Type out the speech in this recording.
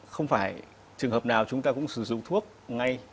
không phải trường hợp nào chúng ta cũng sử dụng thuốc ngay